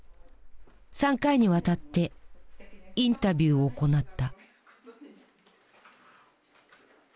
３回にわたってインタビューを行った。